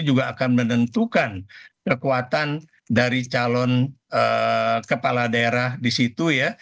juga akan menentukan kekuatan dari calon kepala daerah di situ ya